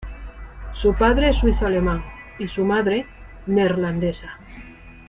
Su padre es suizo-alemán y su madre, neerlandesa.